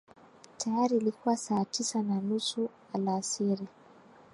Tayari ilikuwa saa tis ana nusu alasiri